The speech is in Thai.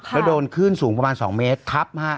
แล้วโดนคลื่นสูงประมาณ๒เมตรทับ